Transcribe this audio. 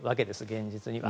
現実には。